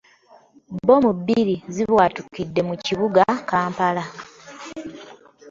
Bbomu bbiri zibwatukidde mu kibuga Kampala.